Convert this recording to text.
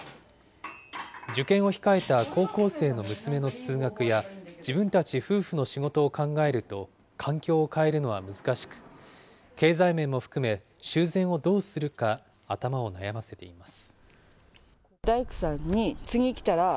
受験を控えた高校生の娘の通学や、自分たち夫婦の仕事を考えると、環境を変えるのは難しく、経済面も含め、修繕をどうするか頭を悩ませています。